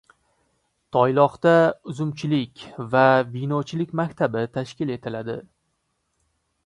Toyloqda uzumchilik va vinochilik maktabi tashkil etiladi